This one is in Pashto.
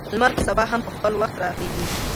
لمر به سبا هم په خپل وخت راخیژي.